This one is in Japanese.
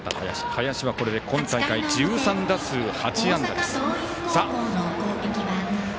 林はこれで、今大会１３打数８安打です。